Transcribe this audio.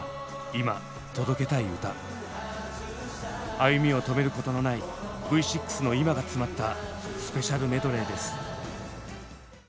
歩みを止めることのないＶ６の今が詰まったスペシャルメドレーです。